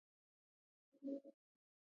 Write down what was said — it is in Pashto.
پامیر د افغانستان د صنعت لپاره مواد برابروي.